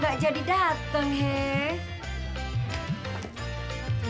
nggak jadi dateng hei